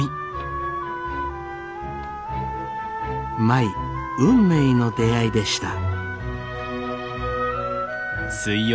舞運命の出会いでした。